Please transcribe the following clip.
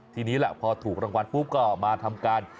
ทีนี้แหละพอถูกรางวัลปุ๊บก็มาทำการ